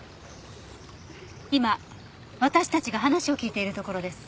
今私たちが話を聞いているところです。